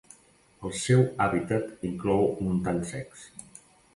El seu hàbitat inclou montans secs.